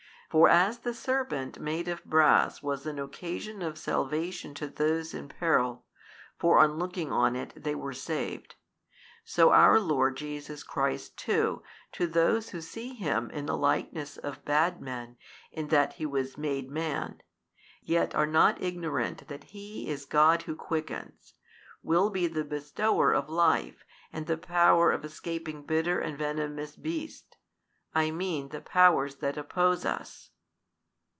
For as the serpent made of brass was an occasion of salvation to those in peril (for looking on it they were saved), so our Lord Jesus Christ too to those who see Him in the likeness of bad men in that He was made Man, yet are |205 not ignorant that He is God Who quickens, will be the Bestower of Life and the power of escaping bitter and venomous beasts, I mean the powers that oppose us.